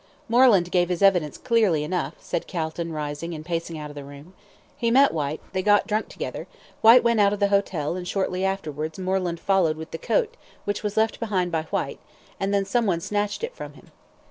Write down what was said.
"Moreland gave his evidence clearly enough," said Calton, rising, and pacing the room. "He met Whyte; they got drunk together. Whyte went out of the hotel, and shortly afterwards Moreland followed with the coat, which was left behind by Whyte, and then someone snatched it from him."